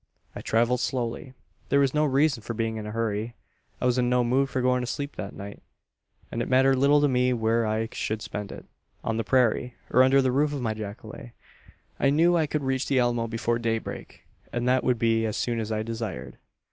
"I travelled slowly. There was no reason for being in a hurry. I was in no mood for going to sleep that night; and it mattered little to me where I should spend it on the prairie, or under the roof of my jacale. I knew I could reach the Alamo before daybreak; and that would be as soon as I desired.